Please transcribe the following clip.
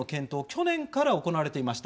去年から行われていました。